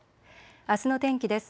あすの天気です。